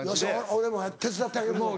俺も手伝ってあげようと。